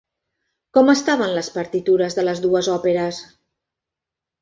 Com estaven les partitures de les dues òperes?